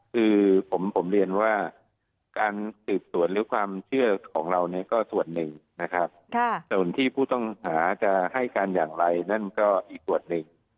คือผมเรียนว่าการสืบสวนหรือความเชื่อของเราเนี่ยก็ส่วนหนึ่งนะครับส่วนที่ผู้ต้องหาจะให้การอย่างไรนั่นก็อีกส่วนหนึ่ง